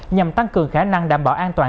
nhằm tăng cường khả năng đảm bảo an toàn